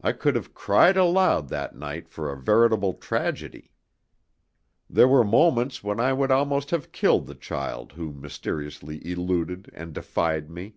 I could have cried aloud that night for a veritable tragedy. There were moments when I would almost have killed the child who mysteriously eluded and defied me.